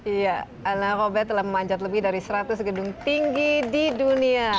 iya ana robert telah memanjat lebih dari seratus gedung tinggi di dunia